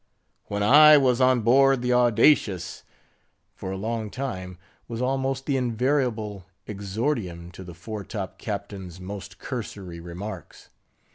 "When I was on board the Audacious"—for a long time, was almost the invariable exordium to the fore top Captain's most cursory remarks.